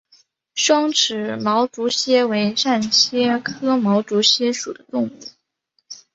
双齿毛足蟹为扇蟹科毛足蟹属的动物。